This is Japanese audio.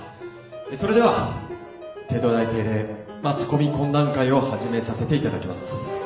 それでは帝都大定例マスコミ懇談会を始めさせていただきます。